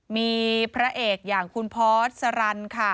มีพระเอกอย่างคุณพอร์สสรรค่ะ